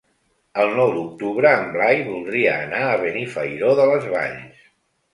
El nou d'octubre en Blai voldria anar a Benifairó de les Valls.